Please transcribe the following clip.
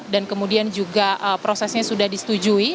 dan kemudian juga prosesnya sudah disetujui